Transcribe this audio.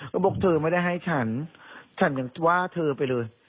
ก็บอกเธอไม่ได้ให้ฉันฉันยังว่าเธอไปเลย